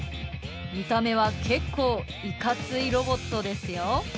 見た目は結構いかついロボットですよ。